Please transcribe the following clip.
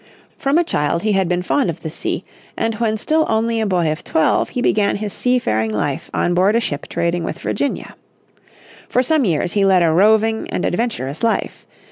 From a child he had been fond of the sea, and when still only a boy of twelve he began his seafaring life on board a ship trading with Virginia. For some years he led a roving and adventurous life.